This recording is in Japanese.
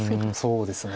そうですね。